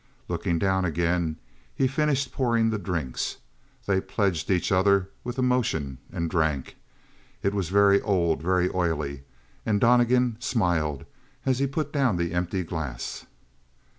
Looking down again, he finished pouring the drinks. They pledged each other with a motion, and drank. It was very old, very oily. And Donnegan smiled as he put down the empty glass.